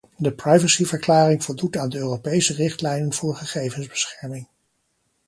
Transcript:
De privacyverklaring voldoet aan de Europese richtlijnen voor gegevensbescherming.